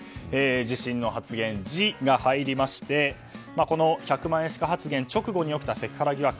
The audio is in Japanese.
自身の発言、「ジ」が入りまして１００万円しか発言の直後に起きたセクハラ疑惑。